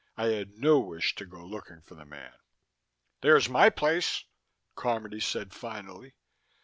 I had no wish to go looking for the man. "There's my place," Carmody said finally.